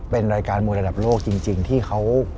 เป็นรายการมวยระดับโลกจริงที่เขา